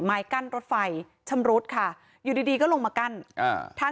ไม้กั้นรถไฟชำรุดค่ะอยู่ดีดีก็ลงมากั้นอ่าทาง